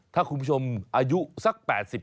ถ้าคุณผู้ชมอายุสัก๘๐